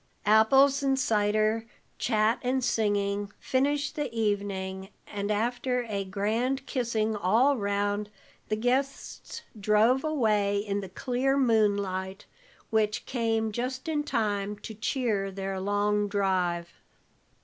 Apples and cider, chat and singing, finished the evening, and after a grand kissing all round, the guests drove away in the clear moonlight which came just in time to cheer their long drive.